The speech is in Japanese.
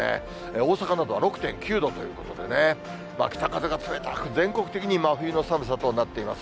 大阪などは６．９度ということでね、北風が冷たく、全国的に真冬の寒さとなっています。